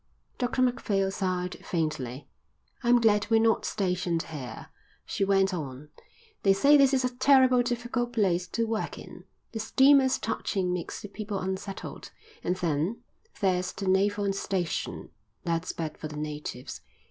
Dr Macphail sighed faintly. "I'm glad we're not stationed here," she went on. "They say this is a terribly difficult place to work in. The steamers' touching makes the people unsettled; and then there's the naval station; that's bad for the natives.